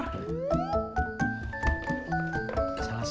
tadi ibu ketemu sales kredit motor